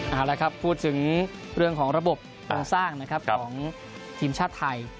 เอาละครับพูดถึงเรื่องของระบบโครงสร้างนะครับของทีมชาติไทย